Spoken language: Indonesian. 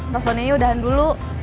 teleponnya ya udahan dulu